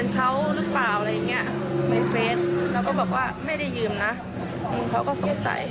จะเป็นเฟซเข้าไปหาคนอื่นเนี่ย